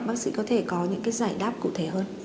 bác sĩ có thể có những cái giải đáp cụ thể hơn